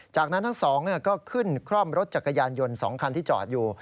จากนั้นทั้งสองก็ขึ้นคร่อมรถจักรยานยนต์๒คันที่จอดอยู่